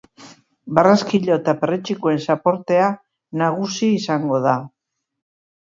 Barraskilo eta perretxikoen zaportea nagusi izango da.